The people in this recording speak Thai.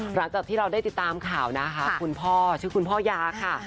หลังจากที่เราได้ติดตามข่าวนะคะคุณพ่อชื่อคุณพ่อยาค่ะ